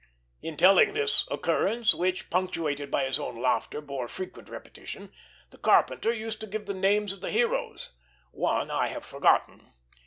In telling this occurrence, which, punctuated by his own laughter, bore frequent repetition, the carpenter used to give the names of the heroes. One I have forgotten.